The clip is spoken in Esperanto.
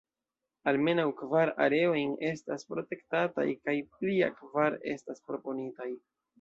Almenaŭ kvar areojn estas protektataj kaj plia kvar estas proponitaj.